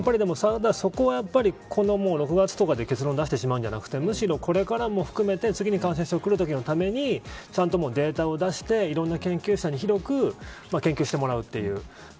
そこは、この６月とかで結論を出してしまうんじゃなくてむしろこれからも含めて、次に感染症がくるときのためにちゃんとデータを出していろんな研究者に広く研究してもらうという。